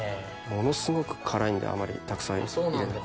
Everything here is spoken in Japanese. ものすごく辛いんであまりたくさん入れると。